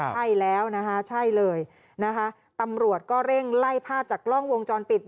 ใช่แล้วนะคะใช่เลยนะคะตำรวจก็เร่งไล่ภาพจากกล้องวงจรปิด